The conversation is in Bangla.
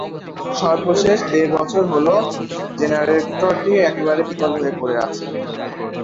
সর্বশেষ প্রায় দেড় বছর হলো জেনারেটরটি একেবারে বিকল হয়ে পড়ে আছে।